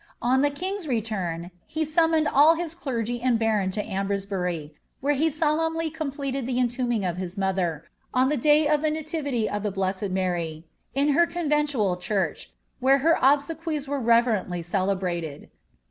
On the king's return, he oned all his clergy and barons to Ambresbuiy, where he solemnly eted the entombhig <^ his mother, on the day of the nativity of eased Mary, in her conventual church, where her obsequies were ntly celebrated.